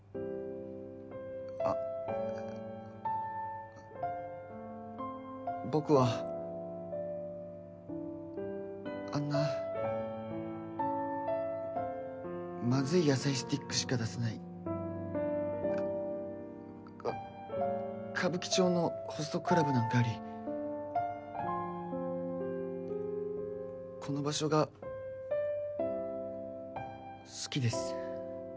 あ僕はあんなまずい野菜スティックしか出せないか歌舞伎町のホストクラブなんかよりこの場所が好きです